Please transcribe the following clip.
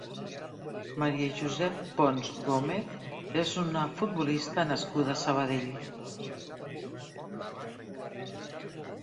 Maria Josep Pons Gómez és una futbolista nascuda a Sabadell.